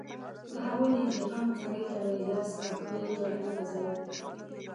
د هغوی د انتقام چاړې ته به یې لاس او پښې تړلې غځاوه.